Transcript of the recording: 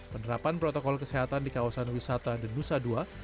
penerapan protokol kesehatan di kawasan wisata denusa ii